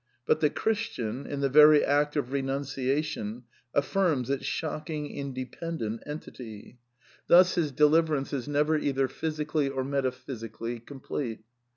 But the Christian, in the very act of renunciation, affirms its shocking independent entity. Thus his deliver THE NEW MYSTICISM 279 ance is never either physically or metaphysically complete.